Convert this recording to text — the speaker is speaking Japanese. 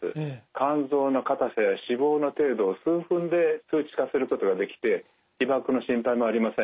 肝臓の硬さや脂肪の程度を数分で数値化することができて被ばくの心配もありません。